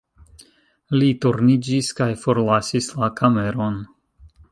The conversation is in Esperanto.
Li turniĝis kaj forlasis la kameron.